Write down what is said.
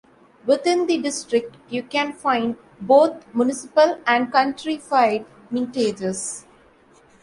Within the district you can find both municipal and countrified mintages.